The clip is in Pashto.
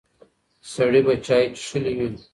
سړی به چای څښلی وي.